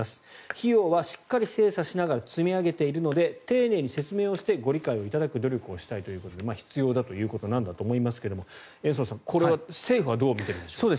費用はしっかり精査しながら積み上げているので丁寧に説明してご理解をいただく努力をしたいということで必要だということなんだと思いますが延増さんこれは政府はどう見てるんでしょう。